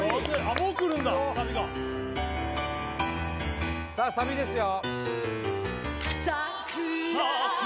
もうくるんだサビがさあサビですよ・